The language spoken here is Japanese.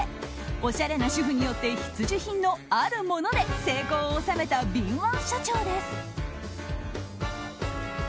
おしゃれな主婦にとって必需品のあるもので成功を収めた敏腕社長です。